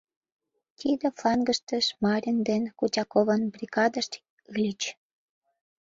Тиде флангыште Шмарин ден Кутяковын бригадышт ыльыч.